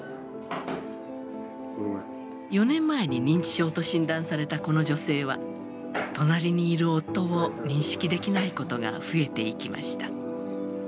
４年前に認知症と診断されたこの女性は隣にいる夫を認識できないことが増えていきました。